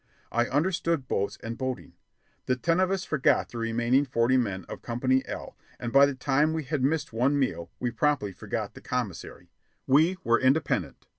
I understood boats and boating. The ten of us forgot the remaining forty men of Company L, and by the time we had missed one meal we promptly forgot the commissary. We were independent.